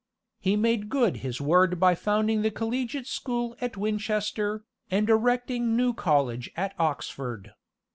He made good his word by founding the collegiate school at Winchester, and erecting New College at Oxford.